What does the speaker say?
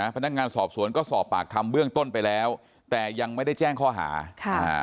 พนักงานสอบสวนก็สอบปากคำเบื้องต้นไปแล้วแต่ยังไม่ได้แจ้งข้อหาค่ะอ่า